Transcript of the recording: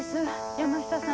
山下さん